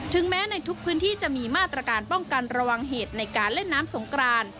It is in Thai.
แม้ในทุกพื้นที่จะมีมาตรการป้องกันระวังเหตุในการเล่นน้ำสงกราน